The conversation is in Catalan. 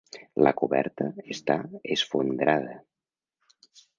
La coberta està esfondrada.